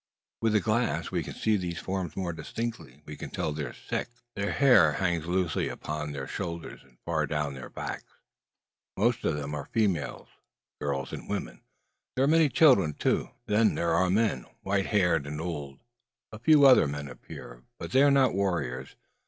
With the glass we can see these forms more distinctly; we can tell their sex. Their hair hangs loosely upon their shoulders, and far down their backs. Most of them are females, girls and women. There are many children, too. There are men, white haired and old. A few other men appear, but they are not warriors.